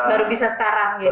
baru bisa sekarang jadi